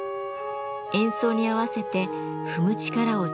演奏に合わせて踏む力を調節。